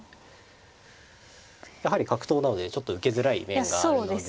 やはり角頭なのでちょっと受けづらい面があるので。